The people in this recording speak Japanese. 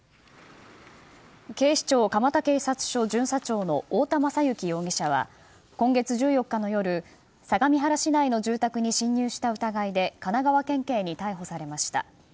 警視庁蒲田警察署巡査長の太田優之容疑者は今月１４日の夜相模原市内の住宅に侵入した疑いで神奈川県警に逮捕されました。